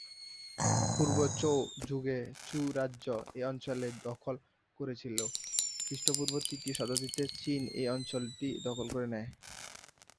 পূর্ব Zhou যুগে Chu রাজ্য এই অঞ্চল দখল করেছিল, খ্রিস্টপূর্ব তৃতীয় শতাব্দীতে চিন এই অঞ্চলটি দখল করে নেয়।